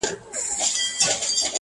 هغه به چاسره خبري کوي-